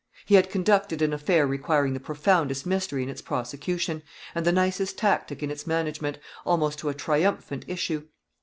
He had conducted an affair requiring the profoundest mystery in its prosecution, and the nicest tactic in its management, almost to a triumphant issue.